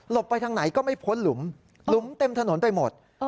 ไปทางไหนก็ไม่พ้นหลุมหลุมเต็มถนนไปหมด